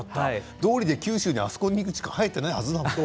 どうりで九州で、あそこにしか生えていないはずだと思って。